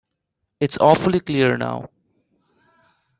It's awfully clear now.